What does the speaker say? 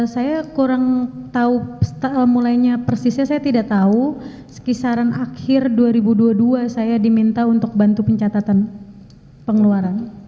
saya kurang tahu mulainya persisnya saya tidak tahu sekisaran akhir dua ribu dua puluh dua saya diminta untuk bantu pencatatan pengeluaran